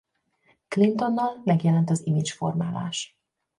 Clintonnal megjelent az image formálás.